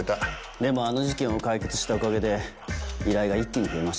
でもあの事件を解決したおかげで依頼が一気に増えました。